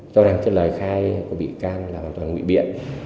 sau đó lời khai của bị can là hoàn toàn bị biện